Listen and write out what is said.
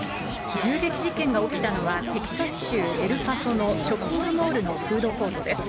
銃撃事件が起きたのは、テキサス州エルパソのショッピングモールのフードコートです。